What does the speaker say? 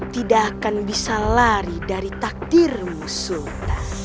tidak akan bisa lari dari takdirmu sultan